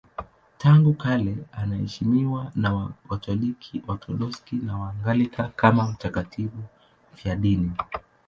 Tangu kale anaheshimiwa na Wakatoliki, Waorthodoksi na Waanglikana kama mtakatifu mfiadini.